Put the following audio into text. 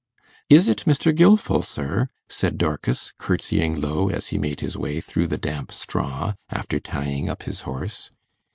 'Is it Mr. Gilfil, sir?' said Dorcas, curtsying low as he made his way through the damp straw, after tying up his horse.